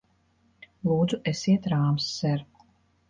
Lūdzu, esiet rāms, ser!